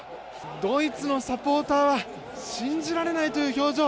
ドイツのサポーターは信じられないという表情。